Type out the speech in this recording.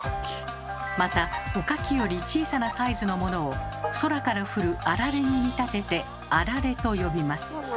またおかきより小さなサイズのものを空から降る霰に見立てて「あられ」と呼びます。